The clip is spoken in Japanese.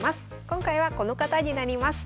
今回はこの方になります。